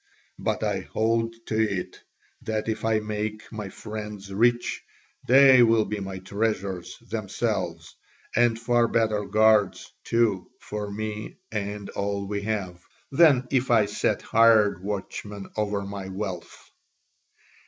But I hold to it that if I make my friends rich they will be my treasures themselves, and far better guards too, for me and all we have, than if I set hired watchmen over my wealth.